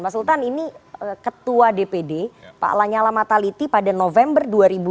pak sultan ini ketua dpd pak lanyala mataliti pada november dua ribu dua puluh